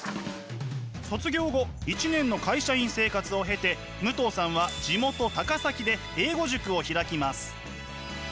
卒業後１年の会社員生活を経て武藤さんは地元高崎で英語塾を開きます。